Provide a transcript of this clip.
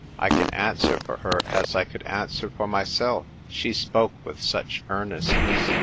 I can answer for her as I could answer for myself; she spoke with such earnestness.